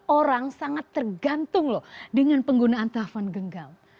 orang sangat tergantung loh dengan penggunaan telepon genggam